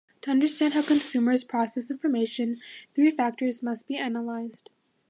To understand how consumers process information three factors must be analyzed.